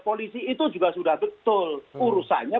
pemerintah itu sudah berhubungan dengan pemerintah